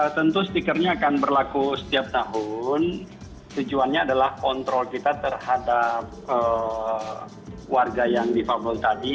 tentu stikernya akan berlaku setiap tahun tujuannya adalah kontrol kita terhadap warga yang defable tadi